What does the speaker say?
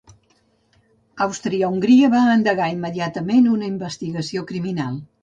Àustria-Hongria va endegar immediatament una investigació criminal.